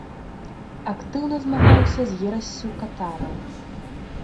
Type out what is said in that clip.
Актыўна змагаўся з ерассю катараў.